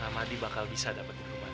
ramadi bakal bisa dapetin rumana